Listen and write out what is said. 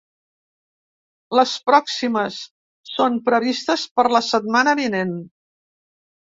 Les pròximes són previstes per la setmana vinent.